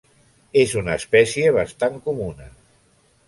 És una espècie bastant comuna.